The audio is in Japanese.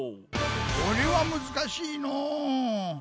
これはむずかしいのう。